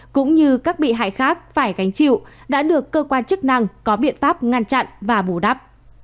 cũng như các bị hại khác phải gánh chịu đã được cơ quan chức năng có biện pháp ngăn chặn và bù đắp